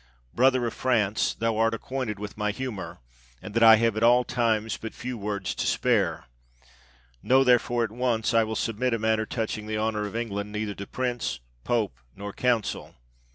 Brother of France, thou art acquainted with my 617 PALESTINE humor, and that I have at all times but few words to spare; know, therefore, at once, I will submit a matter touching the honor of England neither to Prince, Pope, nor Council.